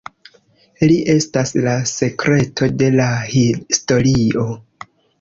Li estas la sekreto de la historio.